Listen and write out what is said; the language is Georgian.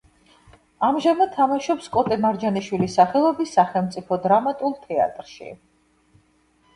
ამჟამად თამაშობს კოტე მარჯანიშვილის სახელობის სახელმწიფო დრამატულ თეატრში.